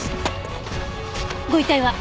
ご遺体は？